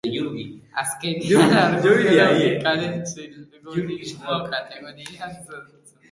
Azkenean, argudio logikoaren silogismo kategorikoa azaltzen da.